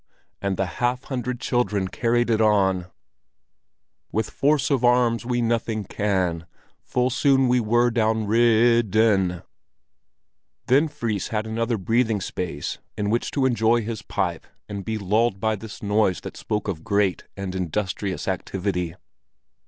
and the half hundred children carried it on— "With force of arms we nothing can, Full soon were we downrid—den;" Then Fris had another breathing space in which to enjoy his pipe and be lulled by this noise that spoke of great and industrious activity.